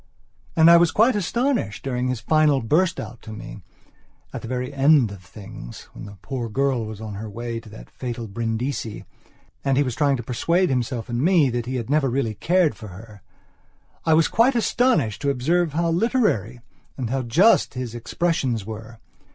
And I was quite astonished, during his final burst out to meat the very end of things, when the poor girl was on her way to that fatal Brindisi and he was trying to persuade himself and me that he had never really cared for herI was quite astonished to observe how literary and how just his expressions were.